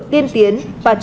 tiên lửa và tên lửa của mỹ